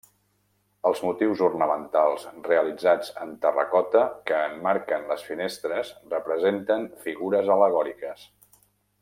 Els motius ornamentals realitzats en terracota que emmarquen les finestres representen figures al·legòriques.